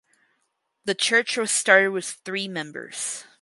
The church was started with three members.